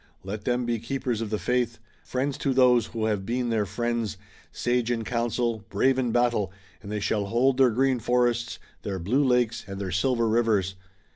Let them be keepers of the faith, friends to those who have been their friends, sage in council, brave in battle, and they shall hold their green forests, their blue lakes and their silver rivers!